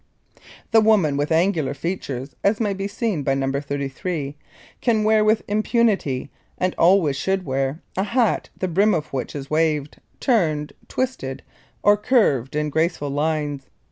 The woman with angular features, as may be seen by No. 33, can wear with impunity, and always should wear, a hat the brim of which is waved, turned, twisted, or curved in graceful lines.